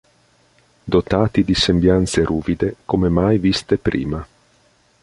Dotati di sembianze ruvide come mai viste prima.